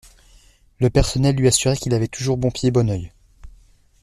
Le personnel lui assurait qu’il avait toujours bon pied bon œil.